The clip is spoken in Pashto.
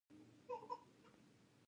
ته کوم شیان اختر کوې؟